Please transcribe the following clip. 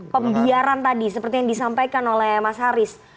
pembiaran tadi seperti yang disampaikan oleh mas haris